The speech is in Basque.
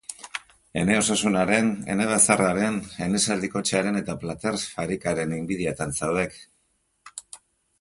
Ene osasunaren, ene bazarraren, ene zaldikotxearen eta plater farikaren inbidiatan zaudek.